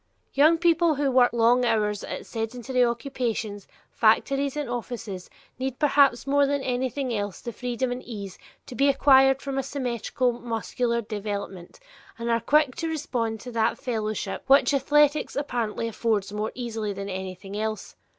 Young people who work long hours at sedentary occupations, factories and offices, need perhaps more than anything else the freedom and ease to be acquired from a symmetrical muscular development and are quick to respond to that fellowship which athletics apparently affords more easily than anything else.